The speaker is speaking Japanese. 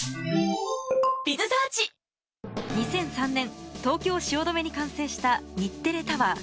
２００３年東京・汐留に完成した日テレタワー